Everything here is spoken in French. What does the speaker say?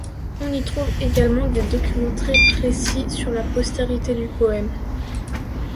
On y trouve également des documents très précis sur la postérité du poème.